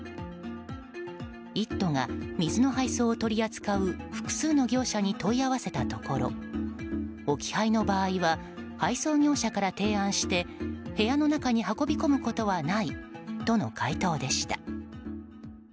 「イット！」が水の配送を取り扱う複数の業者に問い合わせたところ置き配の場合は配送業者から提案して部屋の中に運び込むことはないとの回答でした。